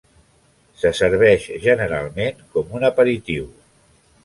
Se serveix generalment com un aperitiu.